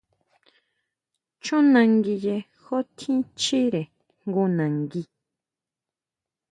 Chjunanguiye jú tjín chíre jngu nangui.